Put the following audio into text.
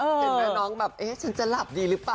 เห็นไหมน้องแบบเอ๊ะฉันจะหลับดีหรือเปล่า